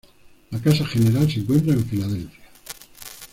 La casa general se encuentra en Filadelfia.